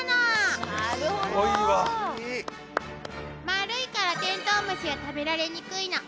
丸いからテントウムシは食べられにくいの。